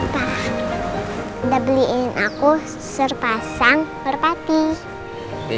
pak udah beliin aku serpasang merpati